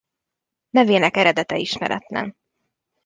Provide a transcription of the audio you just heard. Nevének eredete ismeretlen.